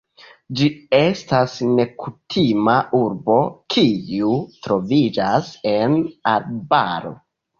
Ĝi estas nekutima urbo, kiu troviĝas en arbaro.